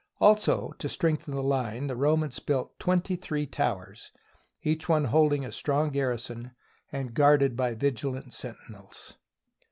Also to strengthen the line, the Romans built twenty three towers, each one holding a strong gar rison and guarded by vigilant sentinels.